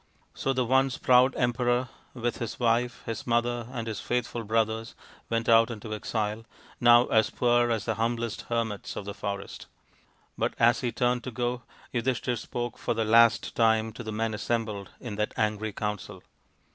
So the once proud emperor, with his wife, his 9 o THE INDIAN STORY BOOK mother, and his faithful brothers went out into exile, now as poor as the humblest hermits of the forest. But as he turned to go Yudhishthir spoke for the last time to the men assembled in that angry council.